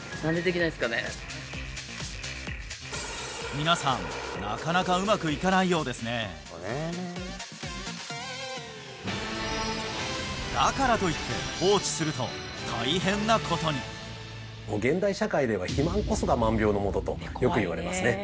皆さんなかなかうまくいかないようですねだからといって放置すると大変なことに現代社会では肥満こそが万病のもととよくいわれますね